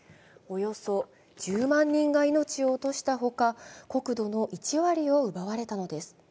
およそ１０万人が命を落としたほか国土の１割を奪われたのです。